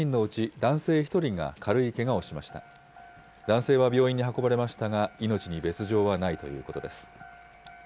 男性は病院に運ばれましたが、命に別状はないということです。